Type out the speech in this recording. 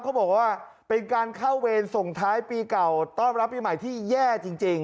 เขาบอกว่าเป็นการเข้าเวรส่งท้ายปีเก่าต้อนรับปีใหม่ที่แย่จริง